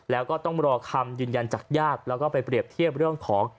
แล้วก็ต้องรอคำยืนยันจากญาติแล้วก็ไปเปรียบเทียบเรื่องของ